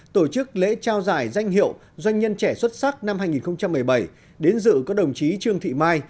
tổ chức lễ trao giải danh hiệu doanh nhân trẻ xuất sắc năm hai nghìn một mươi bảy đến dự có đồng chí trương thị mai